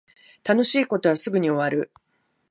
楽しい事はすぐに終わる